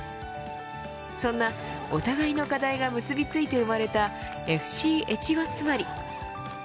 そんなお互いの課題が結びついて生まれたＦＣ越後妻有。